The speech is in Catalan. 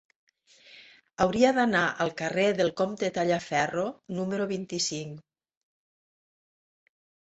Hauria d'anar al carrer del Comte Tallaferro número vint-i-cinc.